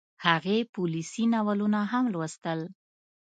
هغې پوليسي ناولونه هم لوستل